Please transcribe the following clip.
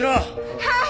はい！